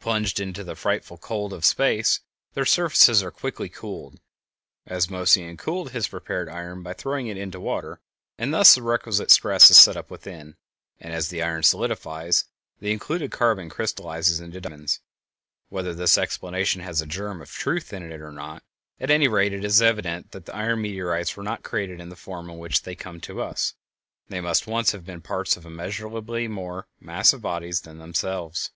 Plunged into the frightful cold of space, their surfaces are quickly cooled, as Moissan cooled his prepared iron by throwing it into water, and thus the requisite stress is set up within, and, as the iron solidifies, the included carbon crystallizes into diamonds. Whether this explanation has a germ of truth in it or not, at any rate it is evident that iron meteorites were not created in the form in which they come to us; they must once have been parts of immeasurably more massive bodies than themselves.